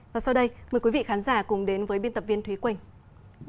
và sau đây mời quý vị khán giả cùng đến với biên tập viên thúy quỳnh